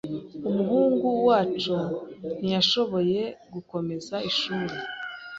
Umuhungu wacu ntiyashoboye gukomeza ishuri.